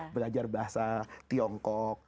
belajar bahasa tiongkok